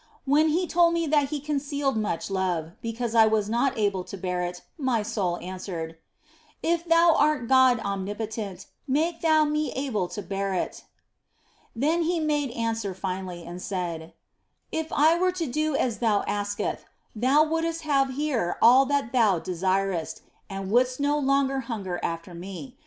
When He told me that He concealed much love, because I was not able to bear it, my soul answered :" If Thou art God omnipotent, make Thou me able to bear it." Then He made answer finally and said : "If I were to do as thou askest, thou wouldst have here all that thou desirest, and wouldst no longer hunger after Me.